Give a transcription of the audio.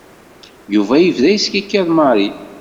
Yuba yebda yeskikiḍ i Mary.